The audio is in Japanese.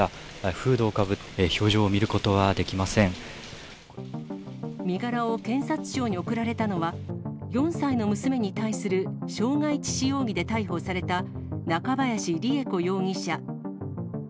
フードをかぶって、表情を見るこ身柄を検察庁に送られたのは、４歳の娘に対する傷害致死容疑で逮捕された中林りゑ子容疑者。